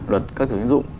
luật các chủ tiến dụng